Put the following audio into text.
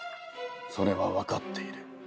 それは分かっている。